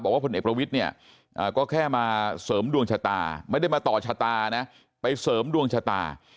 พลเอกประวิทย์เนี่ยก็แค่มาเสริมดวงชะตาไม่ได้มาต่อชะตานะไปเสริมดวงชะตา